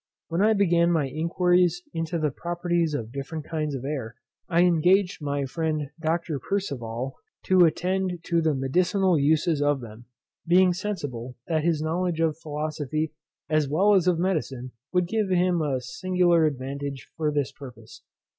When I began my inquires into the properties of different kinds of air, I engaged my friend Dr. Percival to attend to the medicinal uses of them, being sensible that his knowledge of philosophy as well as of medicine would give him a singular advantage for this purpose.